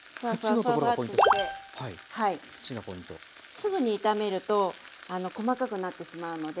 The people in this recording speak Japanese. すぐに炒めると細かくなってしまうので。